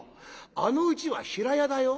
あのうちは平屋だよ」。